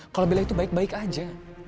kalau bilang itu baik baik aja